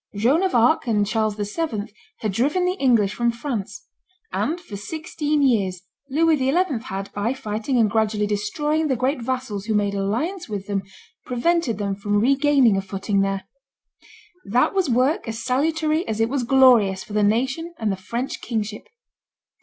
Joan of Arc and Charles VII. had driven the English from France; and for sixteen years Louis XI. had, by fighting and gradually destroying the great vassals who made alliance with them, prevented them from regaining a footing there. That was work as salutary as it was glorious for the nation and the French kingship.